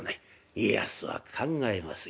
家康は考えますよ。